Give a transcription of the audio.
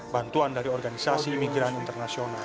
bantuan dari organisasi imigran internasional